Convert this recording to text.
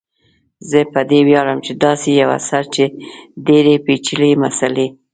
زه په دې ویاړم چي داسي یو اثر چي ډیري پیچلي مسالې